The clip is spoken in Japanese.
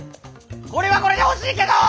これはこれで欲しいけど！